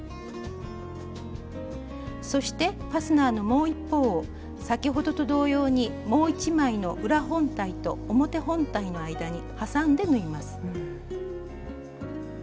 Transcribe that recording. そしてファスナーのもう一方を先ほどと同様にもう一枚の裏本体と表本体の間にはさんで縫います。